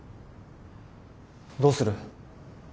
どうする？